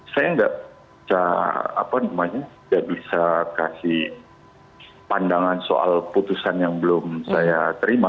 saya nggak bisa kasih pandangan soal putusan yang belum saya terima